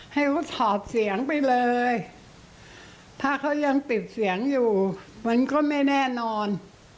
ให้เขาถอดเสียงไปเลยถ้าเขายังติดเสียงอยู่มันก็ไม่แน่นอน